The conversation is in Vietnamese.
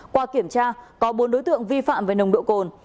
qua kiểm tra có bốn đối tượng vi phạm về nồng độ cồn